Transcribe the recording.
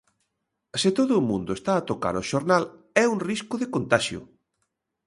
Se todo o mundo está a tocar o xornal, é un risco de contaxio.